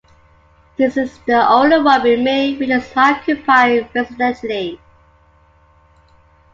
This is the only one remaining which is occupied residentially.